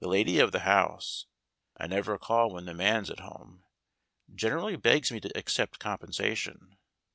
The lady of the house (I never call when the man's at home) generally begs me to accept compensa tion.